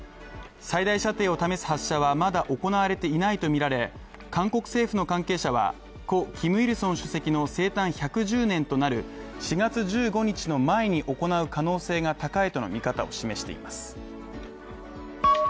最大射程を試す発射はまだ行われていないとみられ韓国政府の関係者は、故キム・イルソン主席の生誕１１０何年となる、４月１５日の前に行う可能性が高いとの見方を示しています。